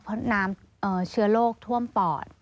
เพราะน้ำเชื้อโรคท่วมปอด